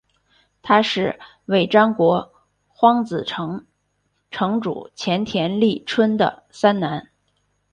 他是尾张国荒子城城主前田利春的三男。